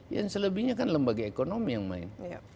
yang selebihnya kan lembaga ekonomi yang main